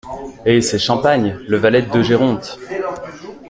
Eh ! c’est Champagne, le valet De Géronte…